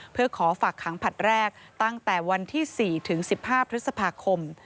เพื่อขอฝากขังผลัดแรกตั้งแต่วันที่๔ถึง๑๕พฤษภาคม